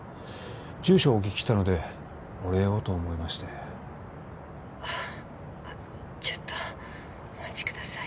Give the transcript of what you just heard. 住所をお聞きしたのでお礼をと思いましてちょっとお待ちください